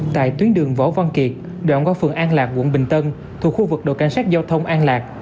tại tuyến đường võ văn kiệt đoạn qua phường an lạc quận bình tân thuộc khu vực đội cảnh sát giao thông an lạc